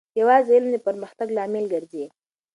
یوازې علم د پرمختګ لامل ګرځي.